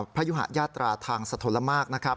พระยุหะญาตราทางสะทนละมาก